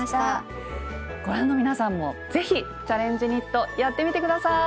ご覧の皆さんも是非「チャレンジニット」やってみて下さい。